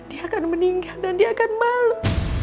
dia akan meninggal dan dia akan malu